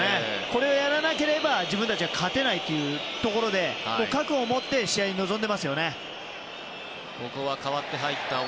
これをやらなきゃ自分たちは勝てないところで覚悟を持って試合に臨んでいますよね。